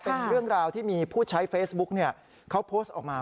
เป็นเรื่องราวที่มีผู้ใช้เฟซบุ๊กเขาโพสต์ออกมา